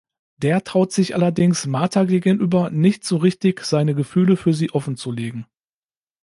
Der traut sich allerdings Martha gegenüber nicht so richtig seine Gefühle für sie offenzulegen.